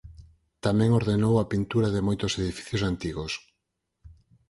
Tamén ordenou a pintura de moitos edificios antigos.